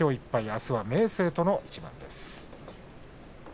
あすは明生との一番です。